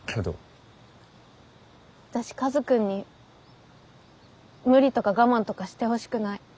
私カズくんに無理とか我慢とかしてほしくない。